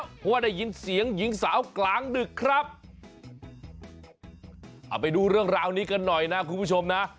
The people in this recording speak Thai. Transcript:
เพราะว่าได้ยินเสียงหญิงสาวกลางดึกครับเอาไปดูเรื่องราวนี้กันหน่อยนะคุณผู้ชมนะ